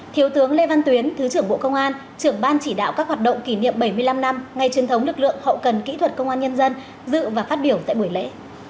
thiếu tướng lê văn tuyến thứ trưởng bộ công an trưởng ban chỉ đạo các hoạt động kỷ niệm bảy mươi năm năm ngày truyền thống lực lượng hậu cần kỹ thuật công an nhân dân dự và phát biểu tại buổi lễ